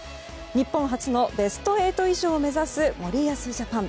日本初のベスト８以上を目指す森保ジャパン。